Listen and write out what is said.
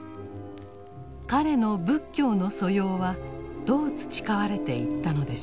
彼の仏教の素養はどう培われていったのでしょうか。